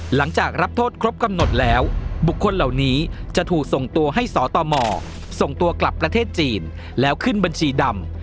หลังจากรับโทษครบกำหนดแล้วบุคคลเหล่านี้จะถูกส่งตัวให้สตมส่งตัวกลับประเทศจีนแล้วขึ้นบัญชีดำ